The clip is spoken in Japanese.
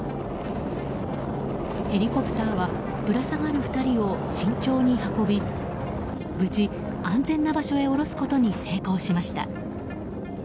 ヘリコプターはぶら下がる２人を慎重に運び無事、安全な場所へ降ろすことに成功しました。